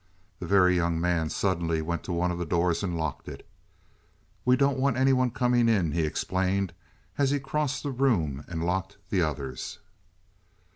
The Very Young Man suddenly went to one of the doors and locked it. "We don't want any one coming in," he explained as he crossed the room and locked the others.